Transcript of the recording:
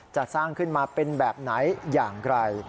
จะสร้างขึ้นมาเป็นแบบไหนอย่างไร